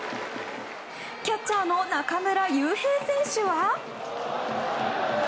キャッチャーの中村悠平選手は。